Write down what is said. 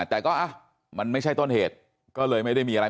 แต่ก็มันไม่ใช่ต้นเหตุก็เลยไม่ได้มีอะไร